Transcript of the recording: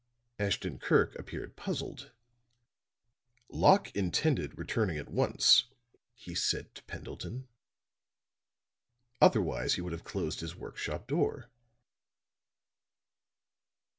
Ashton Kirk appeared puzzled. "Locke intended returning at once," he said to Pendleton. "Otherwise he would have closed his work shop door."